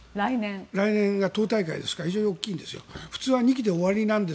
来年が党大会ですから非常に大きいんです。